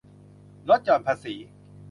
ลดหย่อนภาษี